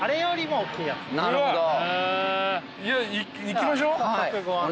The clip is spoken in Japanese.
いきましょう。